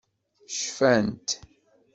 Cfant.